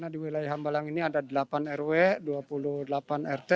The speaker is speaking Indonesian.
di wilayah hambalang ini ada delapan rw dua puluh delapan rt